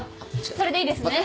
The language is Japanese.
それでいいですね？